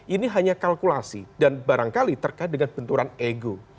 ini hanya kalkulasi dan barangkali terkait dengan benturan ego